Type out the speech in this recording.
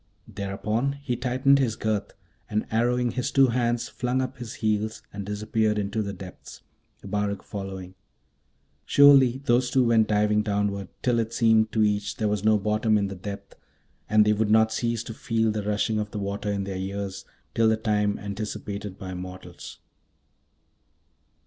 Thereupon he tightened his girth, and arrowing his two hands, flung up his heels and disappeared in the depths, Abarak following. Surely, those two went diving downward till it seemed to each there was no bottom in the depth, and they would not cease to feel the rushing of the water in their ears till the time anticipated by mortals.